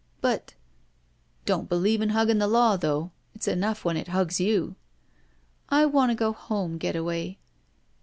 "But—" "Don't believe in hugging the law, though. It's enough when it hugs you." I want to go home, Getaway."